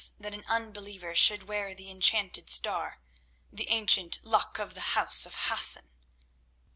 that an unbeliever should wear the enchanted Star, the ancient Luck of the House of Hassan!"